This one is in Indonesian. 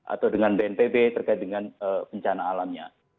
atau dengan bnpb terkait dengan bencana alamnya